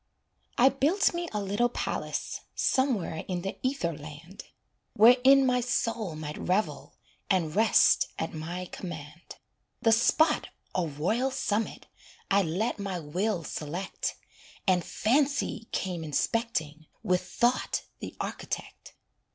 I built me a little palace, Somewhere in the ether land, Wherein my soul might revel And rest at my command. The spot, a royal summit, I let my will select, And Fancy came inspecting With Thought, the architect.